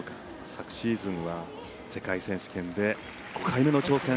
昨シーズンは世界選手権で５回目の挑戦。